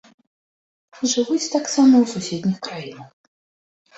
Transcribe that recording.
Жывуць таксама ў суседніх краінах.